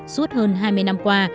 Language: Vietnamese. suốt hơn hai mươi năm qua